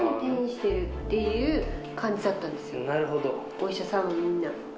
お医者さんみんな。